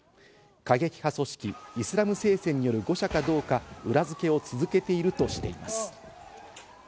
過激派組織・イスラム聖戦による誤射かどうか、裏付けを続けているとしています。